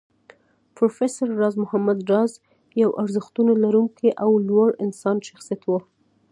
پروفېسر راز محمد راز يو ارزښتونه لرونکی او لوړ انساني شخصيت و